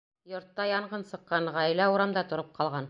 Йортта янғын сыҡҡан, ғаилә урамда тороп ҡалған.